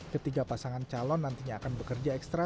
ketiga pasangan calon nantinya akan bekerja ekstra